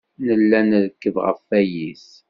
Nella nrekkeb ɣef wayis.